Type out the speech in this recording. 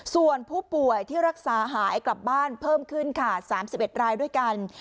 ส่วนผู้ป่วยที่รักษาหายกลับบ้านเพิ่มขึ้นค่ะ๓๑รายด้วยกัน